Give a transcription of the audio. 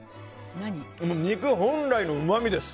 肉本来のうまみです。